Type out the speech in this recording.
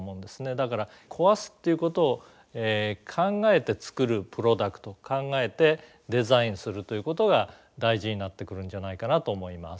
だから壊すっていうことを考えて作るプロダクトを考えてデザインするということが大事になってくるんじゃないかなと思います。